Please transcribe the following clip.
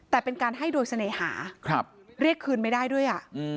แต่เป็นการให้โดยเสน่หาเรียกคืนไม่ได้ด้วย